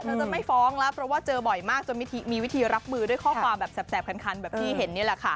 จะไม่ฟ้องแล้วเพราะว่าเจอบ่อยมากจนมีวิธีรับมือด้วยข้อความแบบแสบคันแบบที่เห็นนี่แหละค่ะ